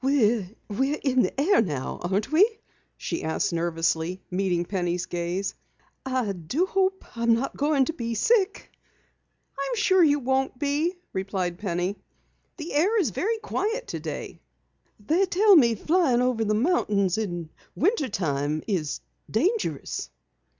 "We we're in the air now, aren't we?" she asked nervously, meeting Penny's gaze. "I do hope I'm not going to be sick." "I am sure you won't be," replied Penny. "The air is very quiet today." "They tell me flying over the mountains in winter time is dangerous."